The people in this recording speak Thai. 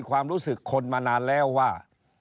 ความรู้สึกคนมานานแล้วว่า